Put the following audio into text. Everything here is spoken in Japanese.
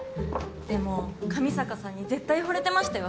でも上坂さんに絶対惚れてましたよ